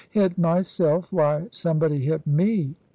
"Hit myself! Why, somebody hit me!"